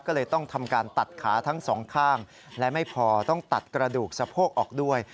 ก็เลยต้องทำการตัดขาทั้งสองข้างและไม่พอต้องตัดกระดูกสะโพกออกด้วย